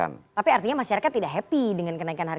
tapi artinya masyarakat tidak happy dengan kenaikan harga